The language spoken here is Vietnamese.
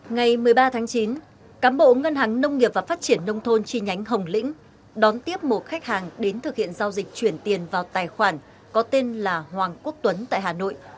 ngày một mươi ba tháng chín cám bộ ngân hàng nông nghiệp và phát triển nông thôn chi nhánh hồng lĩnh đón tiếp một khách hàng đến thực hiện giao dịch chuyển tiền vào tài khoản có tên là hoàng quốc tuấn tại hà nội